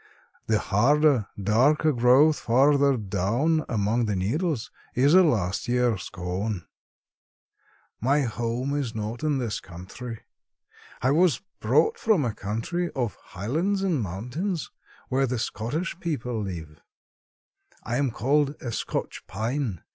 The harder, darker growth farther down among the needles is a last year's cone. "My home is not in this country. I was brought from a country of highlands and mountains where the Scottish people live. I am called a Scotch pine.